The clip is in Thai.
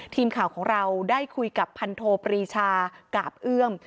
ทีมข่าวของเราได้คุยกับพันโทปรีชากาบเอื้อม